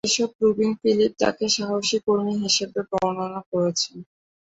Bishop Rubin Philip তাঁকে "সাহসী কর্মী" হিসাবে বর্ণনা করেছেন।